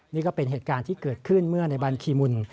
นี่ก็เป็นเหตุการณ์ที่เกิดขึ้นเมื่อในบัญคีมุน